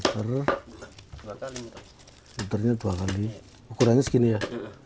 terlihat dua kali ukurannya segini ya